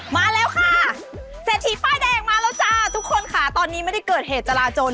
มาแล้วค่ะเศรษฐีป้ายแดงมาแล้วจ้าทุกคนค่ะตอนนี้ไม่ได้เกิดเหตุจราจน